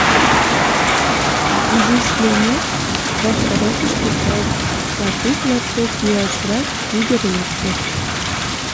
Изиш лиймек, ваштарешышт иктаж латик-латкок ияшрак ӱдыр лекте.